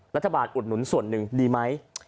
อุดหนุนส่วนหนึ่งดีไหม